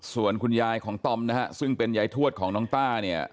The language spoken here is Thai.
ส่วนคุณยายของตอมนะฮะซึ่งเป็นยายทวดของน้องต้าเนี่ย